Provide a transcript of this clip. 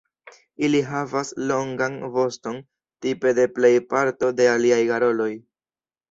Ili havas longan voston tipe de plej parto de aliaj garoloj.